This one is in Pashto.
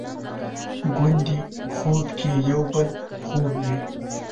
ګوندې خوب کې یو بل خوب یو؟